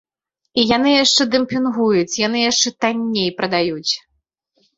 І яны яшчэ дэмпінгуюць, яны яшчэ танней прадаюць.